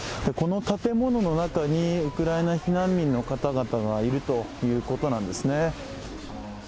この建物の中にウクライナ避難民の方々がいるということなんですね。